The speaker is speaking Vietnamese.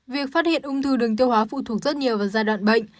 việc phát hiện ung thư đường tiêu hóa phụ thuộc rất nhiều vào giai đoạn bệnh